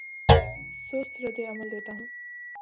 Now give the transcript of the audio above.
سست رد عمل دیتا ہوں